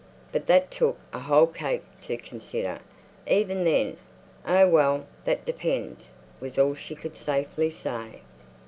But that took a whole cake to consider. Even then, "Oh well, that depends!" was all she could safely say.